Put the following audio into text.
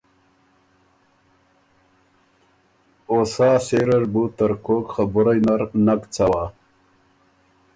او سا سېره ر بُو ترکوک خبُرئ نر نک څوا۔